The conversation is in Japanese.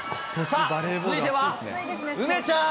さあ、続いては、梅ちゃん。